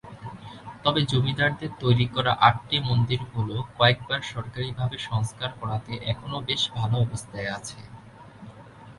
তবে জমিদারদের তৈরি করা আটটি মন্দিরগুলো কয়েকবার সরকারীভাবে সংস্কার করাতে এখনো বেশ ভালো অবস্থায় আছে।